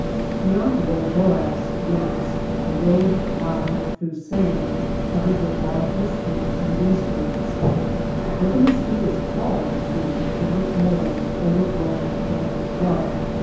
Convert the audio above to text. Beyond the old borax works the road wound through sand covered with large mesquites and greasewoods. Though the mesquite is called a tree it looks more like an overgrown, thorny shrub.